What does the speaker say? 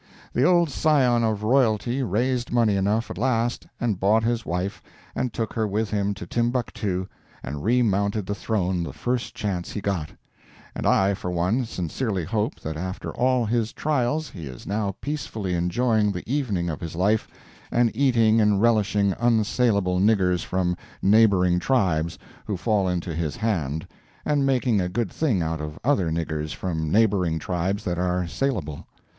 The old scion of royalty raised money enough at last, and bought his wife and took her with him to Timbuctoo and remounted the throne the first chance he got—and I, for one, sincerely hope that after all his trials he is now peacefully enjoying the evening of his life and eating and relishing unsaleable niggers from neighboring tribes who fall into his hand, and making a good thing out of other niggers from neighboring tribes that are saleable.